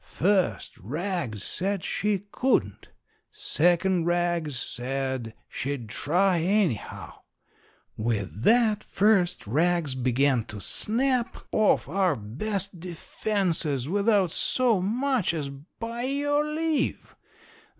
First rags said she couldn't. Second rags said she'd try, anyhow. With that, first rags began to snap off our best defenses without so much as by your leave.